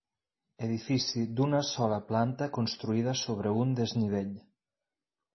Edifici d'una sola planta construïda sobre un desnivell.